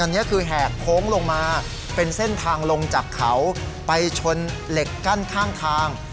อันนี้คือแหกโค้งลงมาเป็นเส้นทางลงจากเขาไปชนเหล็กกั้นข้างทาง